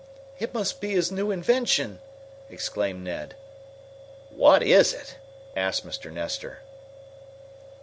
"It must be his new invention!" exclaimed Ned. "What is it?" asked Mr. Nestor.